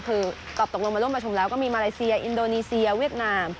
คือตอบตกลงมาร่วมประชุมแล้วก็มีมาเลเซียอินโดนีเซียเวียดนาม